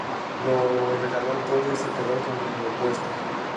Lo regaló todo y se quedó con lo puesto